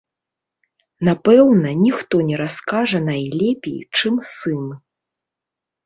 Напэўна, ніхто не раскажа найлепей, чым сын.